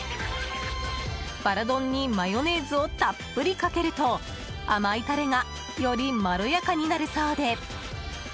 バラ丼にマヨネーズをたっぷりかけると甘いタレがよりまろやかになるそうで。